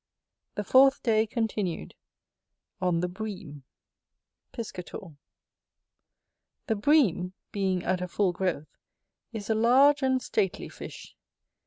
The fourth day continued On the Bream Chapter X Piscator The Bream, being at a full growth, is a large and stately fish.